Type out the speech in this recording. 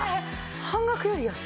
半額より安い？